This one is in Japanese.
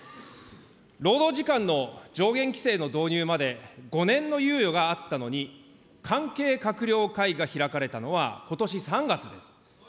労働時間の上限規制の導入まで５年の猶予があったのに、関係閣僚会議が開かれたのは、ことし３月です。